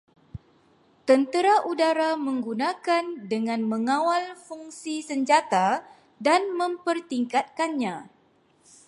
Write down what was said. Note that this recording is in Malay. Tentera udara menggunakan dengan mengawal fungsi senjata dan mempertingkatkannya